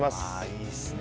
いいですね。